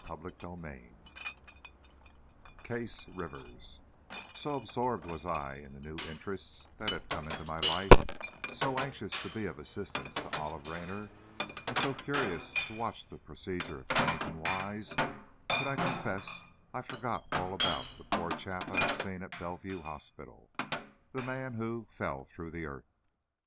CHAPTER XI Case Rivers So absorbed was I in the new interests that had come into my life, so anxious to be of assistance to Olive Raynor, and so curious to watch the procedure of Pennington Wise, that I confess I forgot all about the poor chap I had seen at Bellevue Hospital, the man who "fell through the earth"!